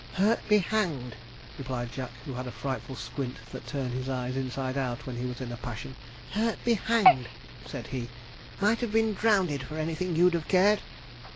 'Hurt be hanged!' replied Jack, who had a frightful squint, that turned his eyes inside out when he was in a passion: 'hurt be hanged!' said he; 'might have been drownded, for anything you'd have cared.'